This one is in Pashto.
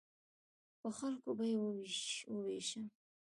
په خلکو به یې ووېشم.